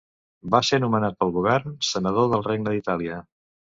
Va ser nomenat pel govern, senador del Regne d'Itàlia.